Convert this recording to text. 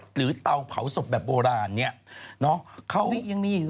หรือเตาเผาศพแบบโบราณเนี้ยเนอะเขานี่ยังมีอยู่หรอ